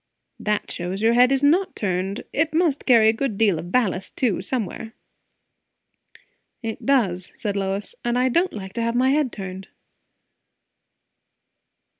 "That shows your head is not turned. It must carry a good deal of ballast too, somewhere." "It does," said Lois. "And I don't like to have my head turned."